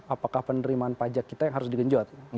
apakah penerimaan pajak kita yang harus digenjot